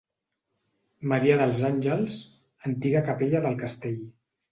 Maria dels Àngels, antiga capella del castell.